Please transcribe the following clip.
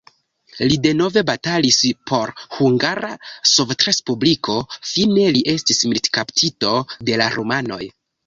Li denove batalis por Hungara Sovetrespubliko, fine li estis militkaptito de la rumanoj.